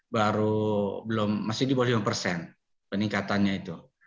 baru belum masih di bawah lima persen peningkatannya itu